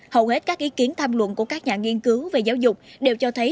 hầu hết các ý kiến tham luận của các nhà nghiên cứu về giáo dục đều cho thấy